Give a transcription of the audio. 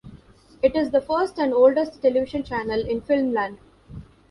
It is the first and oldest television channel in Finland.